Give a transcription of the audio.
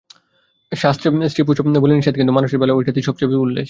শাস্ত্রে স্ত্রীপশু-বলি নিষেধ, কিন্তু মানুষের বেলায় ঐটেতেই সব চেয়ে উল্লাস।